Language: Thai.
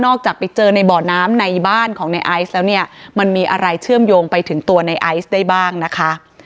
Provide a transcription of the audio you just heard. จากไปเจอในบ่อน้ำในบ้านของในไอซ์แล้วเนี่ยมันมีอะไรเชื่อมโยงไปถึงตัวในไอซ์ได้บ้างนะคะ